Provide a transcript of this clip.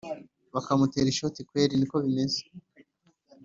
bakamutera ishoti kweri niko bimeze